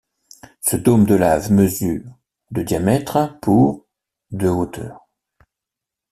Ce dôme de lave mesure de diamètre pour de hauteur.